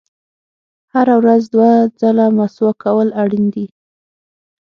• هره ورځ دوه ځله مسواک کول اړین دي.